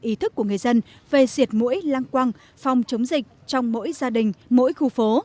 ý thức của người dân về siệt mũi lang quang phòng chống dịch trong mỗi gia đình mỗi khu phố